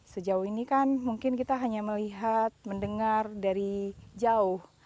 sejauh ini kan mungkin kita hanya melihat mendengar dari jauh